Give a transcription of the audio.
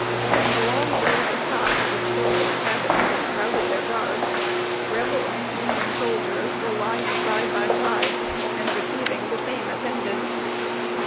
In the long rows of cots which filled their cabins and crowded their guards, Rebel and Union soldiers were lying side by side, and receiving the same attendance.